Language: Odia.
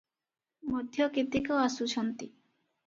ମଧ୍ୟ କେତେକ ଆସୁଛନ୍ତି ।